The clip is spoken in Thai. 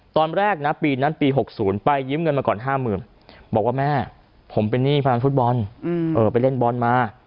ตอนแรกนะปีนั้นปี๖๐ไปยืมเงินมาก่อน๕๐๐๐บอกว่าแม่ผมเป็นหนี้พนันฟุตบอลไปเล่นบอลมา